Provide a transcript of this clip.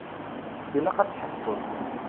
Ilaq ad tḥebseḍ.